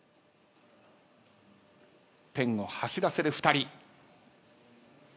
ペンを走らせる２人。